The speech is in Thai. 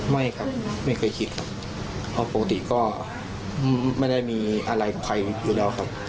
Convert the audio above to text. ไม่ครับไม่เคยคิดครับเพราะปกติก็ไม่ได้มีอะไรกับใครอยู่แล้วครับ